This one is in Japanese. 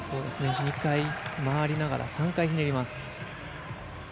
２回回りながら３回ひねります。